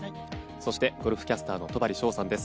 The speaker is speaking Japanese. そして、ゴルフキャスターの戸張捷さんです。